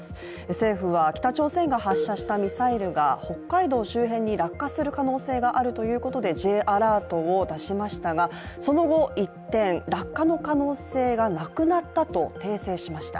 政府は北朝鮮が発射したミサイルが北海道周辺に落下する可能性があるということでＪアラートを出しましたがその後、一転、落下の可能性がなくなったと訂正しました。